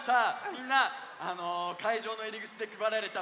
みんなかいじょうのいりぐちでくばられた